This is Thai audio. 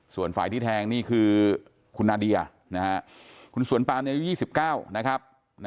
ส่วนฝ่ายที่แทงนี่คือคุณนาเดียคุณสวนปามอายุ๒๙นะครับ